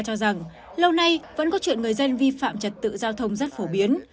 cho rằng lâu nay vẫn có chuyện người dân vi phạm trật tự giao thông rất phổ biến